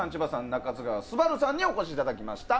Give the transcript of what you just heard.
中津川昴さんにお越しいただきました。